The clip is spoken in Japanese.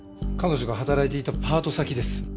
彼女が働いていたパート先です。